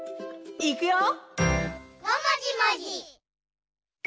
いくよ！